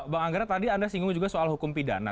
bang anggara tadi anda singgung juga soal hukum pidana